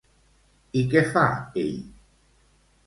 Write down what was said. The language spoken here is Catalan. I què fa ell?